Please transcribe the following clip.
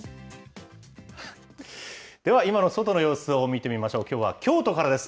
では、今の外の様子を見てみましょう、きょうは京都からです。